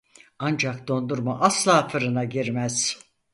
Ancak dondurma asla fırına girmez.